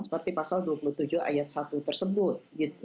seperti pasal dua puluh tujuh ayat satu tersebut